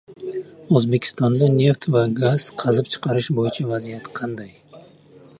O‘zbekistonda neft va gaz qazib chiqarish bo‘yicha vaziyat qanday?